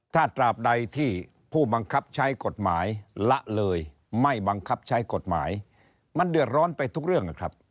ถ้าตราบใดที่ผู้บังคับใช้กฎหมายละเลยไม่บังคับใช้กฎหมายมันเดือดร้อนไปทุกเรื่องนะครับ